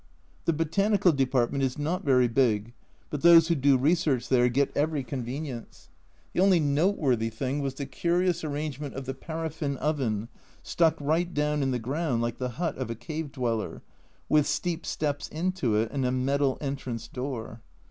The botanical department is not very big, but those who do research there get every convenience. The only noteworthy thing was the curious arrangement of the paraffin oven, stuck right down in the ground like the hut of a cave dweller, with steep steps into it and a metal entrance door.